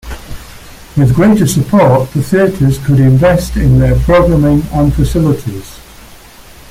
With greater support, the theatres could invest in their programming and facilities.